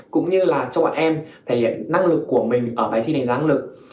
cũng như là cho bạn em thể hiện năng lực của mình ở bài thi đánh giá năng lực